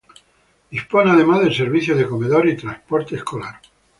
Dispone además de servicios de comedor y transporte escolar.